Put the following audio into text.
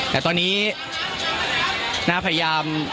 แต่ตอนนี้น่าพยายาม